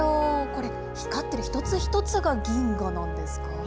これ、光ってる一つ一つが銀河なんですか。